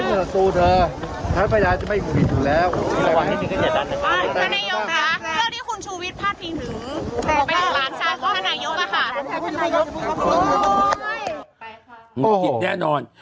เดี๋ยวกิจแน่นอน